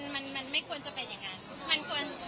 มันไม่ควรจะเป็นอย่างนั้น